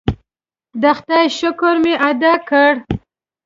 د خدای شکر مې ادا کړ.